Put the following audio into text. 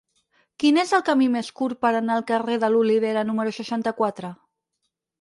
Quin és el camí més curt per anar al carrer de l'Olivera número seixanta-quatre?